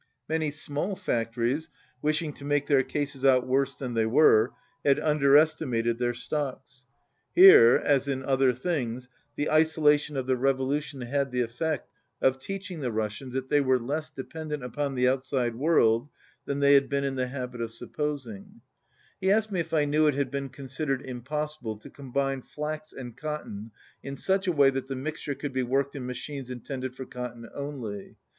Many small factories, wishing to make their cases out worse than they were, had under estimated their stocks. Here, as in other things, the isolatict^ oi the revo 146 lution had the effect of teaching the Russians that they were less dependent upon the outside world than they had been in the habit of supposing] He asked me if I knew it had been considered impossible to combine flax and cotton in such a way that the mixture could be worked in machines intended for cotton only.